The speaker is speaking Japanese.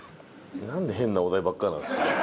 なんで変なお題ばっかりなんですか。